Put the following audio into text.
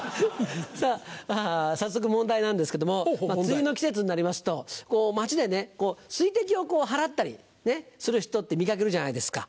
さぁ早速問題なんですけれども梅雨の季節になりますと街で水滴を払ったりする人って見掛けるじゃないですか。